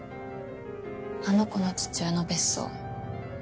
あの子の父親の別荘。